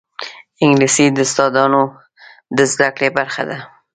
انګلیسي د استاذانو د زده کړې برخه ده